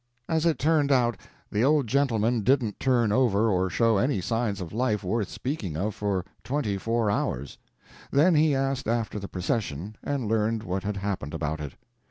As it turned out, the old gentleman didn't turn over or show any signs of life worth speaking of for twenty four hours. Then he asked after the procession, and learned what had happened about it.